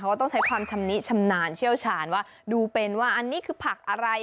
ว่าต้องใช้ความชำนิชำนาญเชี่ยวชาญว่าดูเป็นว่าอันนี้คือผักอะไร